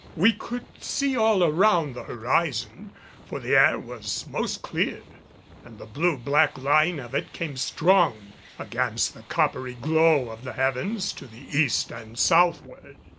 We could see all around the horizon, for the air was most clear and the blue black line of it came strong against the coppery glow of the heavens to the east and southward.